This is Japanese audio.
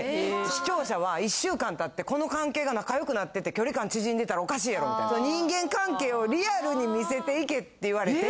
視聴者は１週間経ってこの関係が仲良くなってて距離感縮んでたらおかしいやろみたいな。って言われて。